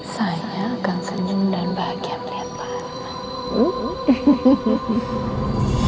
sayang kan senyum dan bahagia melihat pak arman